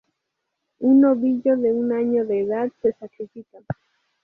Un novillo de un año de edad, se sacrifica.